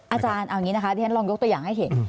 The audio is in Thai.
อาจารย์เอางี้นะคะลองยกตัวอย่างให้เห็น